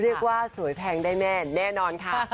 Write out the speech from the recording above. เรียกว่าสวยแพงได้แม่แน่นอนค่ะ